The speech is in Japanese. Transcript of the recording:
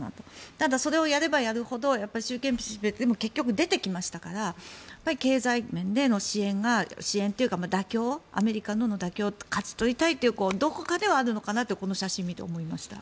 ただ、それをやればやるほど習近平氏も結局、出てきましたから経済面での支援というかアメリカの妥協を勝ち取りたいというのがどこかにはあるのかなとこの写真を見て思いました。